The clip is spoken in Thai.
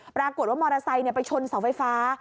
ปรากฏว่ามอเตอร์ไซค์ไปชนเสาไฟฟ้า